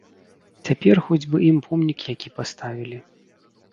Цяпер хоць бы ім помнік які паставілі.